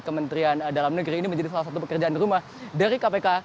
kementerian dalam negeri ini menjadi salah satu pekerjaan rumah dari kpk